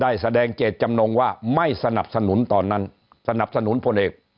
แสดงเจตจำนงว่าไม่สนับสนุนตอนนั้นสนับสนุนพลเอก